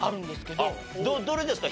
どれですか？